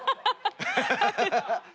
アハハハ！